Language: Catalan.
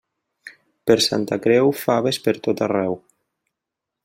Per Santa Creu, faves pertot arreu.